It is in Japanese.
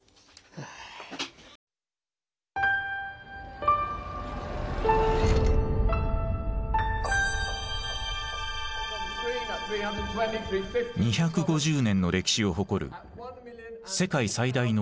２５０年の歴史を誇る世界最大のオークション。